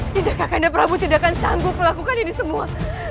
tidak kakanda prabu tidak akan sanggup melakukan ini semua